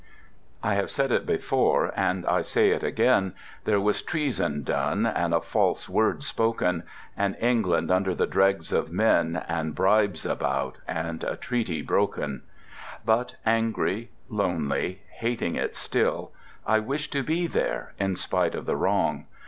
I have said it before, and I say it again, There was treason done, and a false word spoken, And England under the dregs of men, And bribes about, and a treaty broken: But angry, lonely, hating it still, I wished to be there in spite of the wrong.